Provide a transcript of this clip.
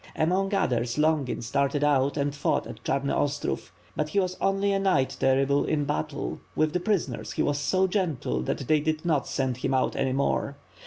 Among others, Longin started out and fought at Chamy Ostrov; but he was only a knight terrible in battle; with the prisoners he waa so gentle that they did not send him out any more.